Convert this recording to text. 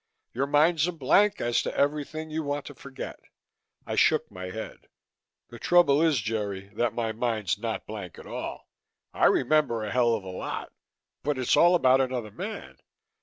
Your mind's a blank as to everything you want to forget." I shook my head. "The trouble is, Jerry, that my mind's not blank at all. I remember a hell of a lot but it's all about another man."